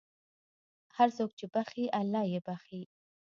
هر څوک چې بښي، الله یې بښي.